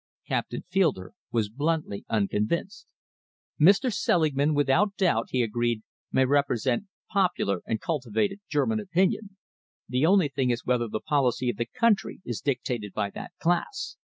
Captain Fielder was bluntly unconvinced. "Mr. Selingman, without doubt," he agreed, "may represent popular and cultivated German opinion. The only thing is whether the policy of the country is dictated by that class.